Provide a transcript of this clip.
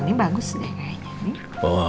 ini bagus deh kayaknya